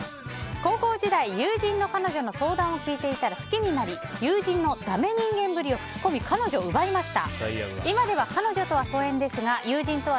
高校時代、友人の彼女の相談を聞いていたら好きになり友人のだめ人間ぶりを吹き込み彼女を奪いました。